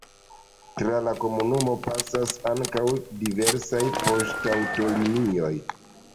Tra la komunumo pasas ankaŭ diversaj poŝtaŭtolinioj.